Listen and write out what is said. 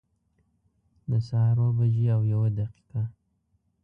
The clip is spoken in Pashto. د سهار اوه بجي او یوه دقيقه